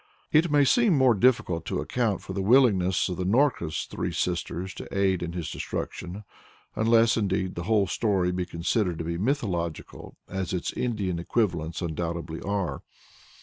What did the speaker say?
It may seem more difficult to account for the willingness of Norka's three sisters to aid in his destruction unless, indeed, the whole story be considered to be mythological, as its Indian equivalents undoubtedly are.